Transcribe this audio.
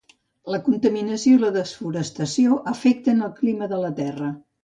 La contaminació i la desforestació afecten el clima de La Terra.